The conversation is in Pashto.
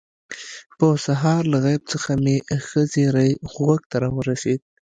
په سهار له غیب څخه مې ښه زیری غوږ ته راورسېد.